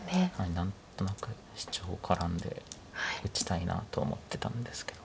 何となくシチョウ絡んで打ちたいなと思ってたんですけど。